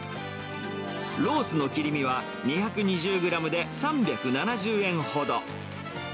ロースの切り身は２２０グラムで３７０円ほど。